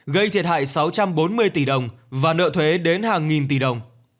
gây thiệt hại sáu trăm bốn mươi tỷ đồng và nợ thuế đến hàng nghìn tỷ đồng